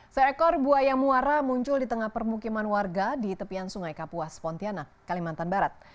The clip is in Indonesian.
seekor buaya muara muncul di tengah permukiman warga di tepian sungai kapuas pontianak kalimantan barat